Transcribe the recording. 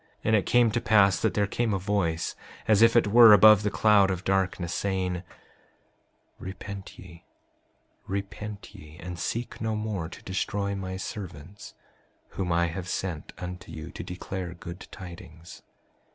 5:29 And it came to pass that there came a voice as if it were above the cloud of darkness, saying: Repent ye, repent ye, and seek no more to destroy my servants whom I have sent unto you to declare good tidings.